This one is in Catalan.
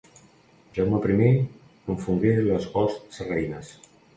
Jaume primer confongué les hosts sarraïnes.